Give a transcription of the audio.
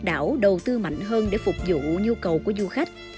và dân đất đảo đầu tư mạnh hơn để phục vụ nhu cầu của du khách